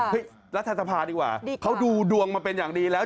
รัฐสภาดีกว่าเขาดูดวงมาเป็นอย่างดีแล้ว